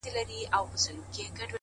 شپه اوږده او درنه وي تل,